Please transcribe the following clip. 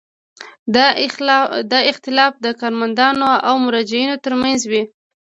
دا اختلاف د کارمندانو او مراجعینو ترمنځ وي.